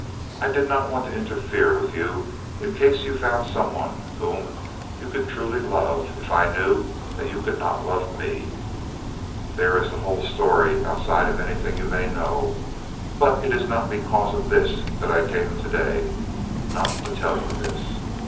I did not want to interfere with you in case you found some one whom you could truly love if I knew that you could not love me. There is the whole story outside of anything you may know. But it is not because of this that I came to day. Not to tell you this."